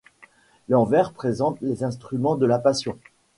L'envers présente les instruments de la Passion.